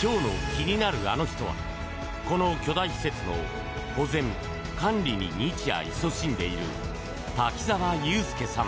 今日の気になるアノ人はこの巨大施設の保全・管理に日夜いそしんでいる滝沢祐介さん。